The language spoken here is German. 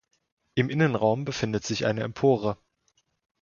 Im Innenraum befindet sich eine Empore.